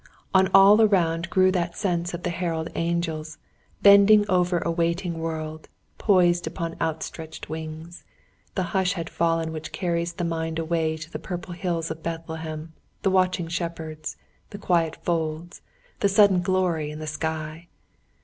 On all around grew that sense of the herald angels, bending over a waiting world, poised upon outstretched wings. The hush had fallen which carries the mind away to the purple hills of Bethlehem, the watching shepherds, the quiet folds, the sudden glory in the sky.